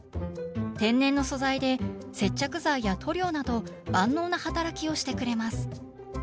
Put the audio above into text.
天然の素材で接着剤や塗料など万能な働きをしてくれます。